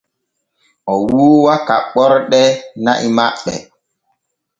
O wuuwa kaɓɓorde na'i maɓɓe.